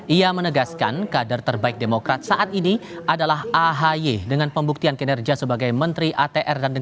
ia menegaskan kader terbaik demokrat saat ini adalah ahy dengan pembuktian kinerja sebagai menteri atr